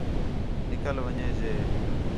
نِکل ون٘ڄے ڄے